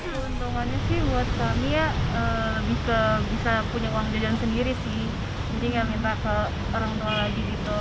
keuntungannya sih buat kami ya bisa punya uang jodan sendiri sih jadi gak minta ke orang tua lagi gitu